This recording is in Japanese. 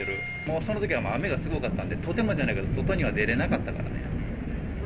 そのときは雨がすごかったんで、とてもじゃないけど、外には出れなかったからね。